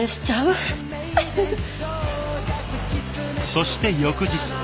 そして翌日。